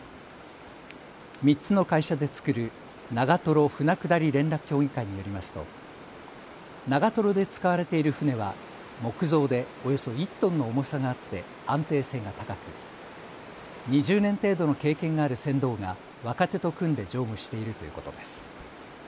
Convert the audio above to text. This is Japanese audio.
３つの会社で作る長瀞舟下り連絡協議会によりますと長瀞で使われている舟は木造でおよそ１トンの重さがあって安定性が高く、２０年程度の経験がある船頭が若手と組んで乗務しているということです。